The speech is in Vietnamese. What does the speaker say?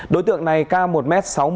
đối tượng này ca một m sáu mươi